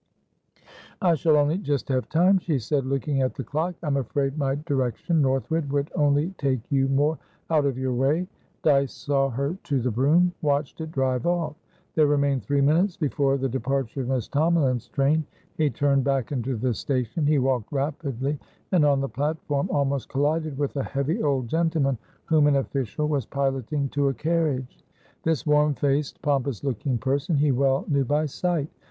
"I shall only just have time," she said, looking at the clock. "I'm afraid my directionnorthwardwould only take you more out of your way." Dyce saw her to the brougham, watched it drive off. There remained three minutes before the departure of Miss Tomalin's train. He turned back into the station; he walked rapidly, and on the platform almost collided with a heavy old gentleman whom an official was piloting to a carriage. This warm faced, pompous looking person he well knew by sight.